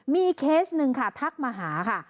มีเคสหนึ่งค่ะทักมาหาค่ะ